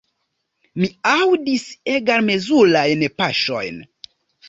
Mi aŭdis egalmezurajn paŝojn.